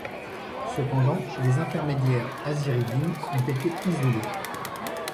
Cependant, des intermédiaires aziridine ont été isolés.